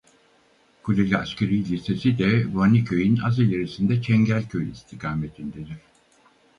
Kuleli Askeri Lisesi de Vaniköy'ün az ilerisinde Çengelköy istikametindedir.